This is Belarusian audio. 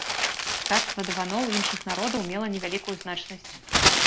Ткацтва дываноў іншых народаў мела невялікую значнасць.